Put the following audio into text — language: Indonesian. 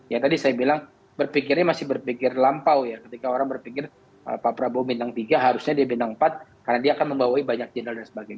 ya tadi saya bilang berpikirnya masih berpikir lampau ya ketika orang berpikir pak prabowo bintang tiga harusnya dia bintang empat karena dia akan membawai banyak general dan sebagainya